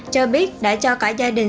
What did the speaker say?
cho biết đã cho cả gia đình